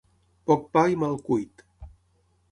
Poc pa i mal cuit.